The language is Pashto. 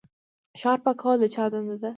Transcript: ښار پاکول د چا دنده ده؟